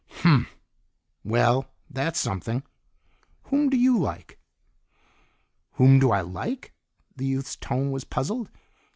"Humph! Well, that's something. Whom do you like?" "Whom do I like?" The youth's tone was puzzled.